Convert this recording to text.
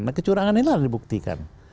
nah kecurangan ini harus dibuktikan